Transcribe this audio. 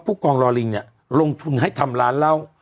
ผู้กองลอลิงโดยลงทุนให้ทำร้านเล่า